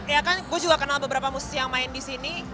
ya kan gue juga kenal beberapa musisi yang main di sini